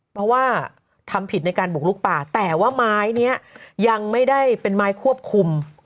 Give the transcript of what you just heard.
เพราะว่าทำผิดในการบุกลุกป่าแต่ว่าไม้นี้ยังไม่ได้เป็นไม้ควบคุม